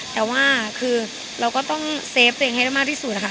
แต่ว่าคือเราก็ต้องเซฟตัวเองให้ได้มากที่สุดนะคะ